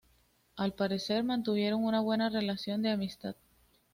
Al parecer mantuvieron una buena relación de amistad.